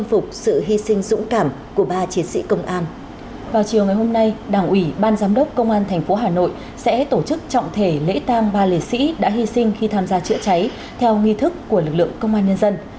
vào chiều ngày hôm nay đảng ủy ban giám đốc công an tp hà nội sẽ tổ chức trọng thể lễ tang ba liệt sĩ đã hy sinh khi tham gia chữa cháy theo nghi thức của lực lượng công an nhân dân